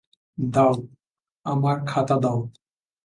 দাও, আমার খাতা দাও।